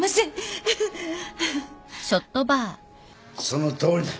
そのとおりだ。